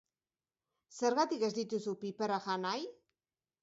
Zergatik ez dituzu piperrak jan nahi?